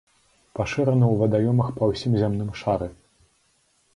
Пашыраны ў вадаёмах па ўсім зямным шары.